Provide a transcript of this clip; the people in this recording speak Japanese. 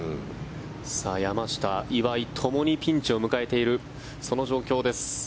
山下、岩井ともにピンチを迎えているその状況です。